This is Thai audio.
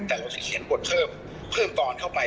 แต่เราจะเขียนบทเพิ่มตอนเข้าไป